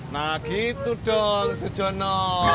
nah gitu dong su jono